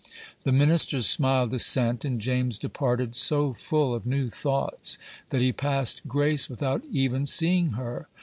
The minister smiled assent, and James departed so full of new thoughts, that he passed Grace without even seeing her.